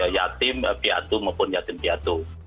yatim piatu maupun yatim piatu